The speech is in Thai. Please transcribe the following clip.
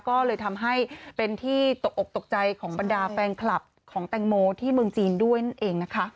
ก็เลยทำให้เป็นที่ตกอกตกใจของบรรดาแฟนคลับของแตงโมที่เมืองจีนด้วยนั่นเองนะคะ